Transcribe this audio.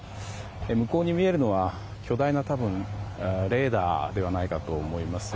向こうに見えるのは巨大なレーダーではないかと思います。